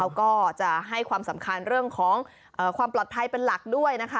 แล้วก็จะให้ความสำคัญเรื่องของความปลอดภัยเป็นหลักด้วยนะคะ